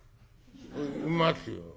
「いますよ」。